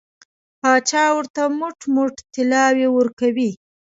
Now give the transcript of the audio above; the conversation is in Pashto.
پاچا ورته موټ موټ طلاوې ورکوي.